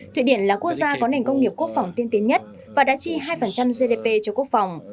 thụy điển là quốc gia có nền công nghiệp quốc phòng tiên tiến nhất và đã chi hai gdp cho quốc phòng